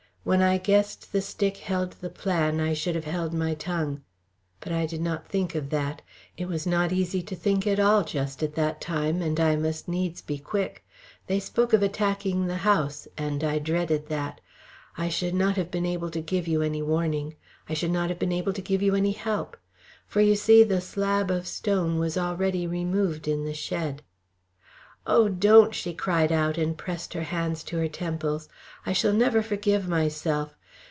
"When I guessed the stick held the plan, I should have held my tongue. But I did not think of that. It was not easy to think at all just at that time, and I must needs be quick. They spoke of attacking the house, and I dreaded that.... I should not have been able to give you any warning.... I should not have been able to give you any help ... for, you see, the slab of stone was already removed in the shed." "Oh, don't!" she cried out, and pressed her hands to her temples. "I shall never forgive myself.